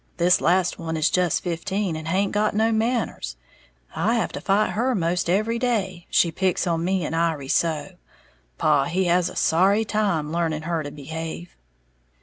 This last one is just fifteen, and haint got no manners. I have to fight her most every day, she picks on me'n Iry so. Paw he has a sorry time learning her to behave."